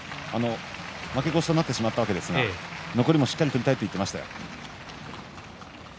負け越しとなりましたが残りもしっかり取りたいと言っていました。